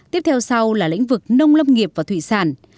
tiếp theo sau là lĩnh vực nông lâm nghiệp và thủy sản